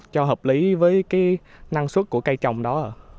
cho hợp lý với cái năng suất của cây trồng đó